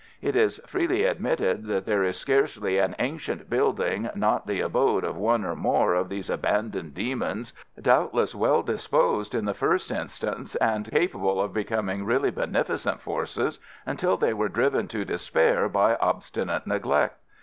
It is freely admitted that there is scarcely an ancient building not the abode of one or more of these abandoned demons, doubtless well disposed in the first instance, and capable of becoming really beneficent Forces until they were driven to despair by obstinate neglect.